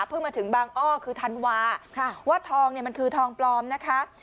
มาถึงบางอ้อคือธันวาว่าทองเนี่ยมันคือทองปลอมนะคะ